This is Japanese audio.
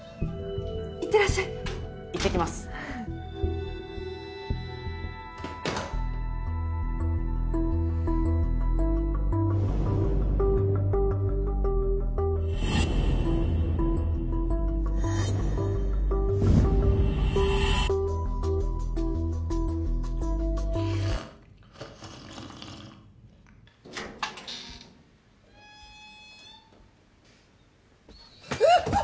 行ってらっしゃい行ってきますひえっ！